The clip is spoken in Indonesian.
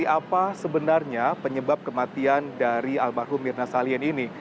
apa sebenarnya penyebab kematian dari almarhum mirna salihin ini